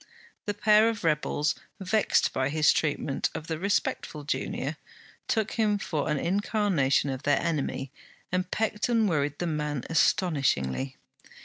The pair of rebels, vexed by his treatment of the respectful junior, took him for an incarnation of their enemy, and pecked and worried the man astonishingly.